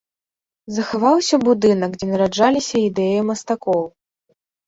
Захаваўся будынак, дзе нараджаліся ідэі мастакоў.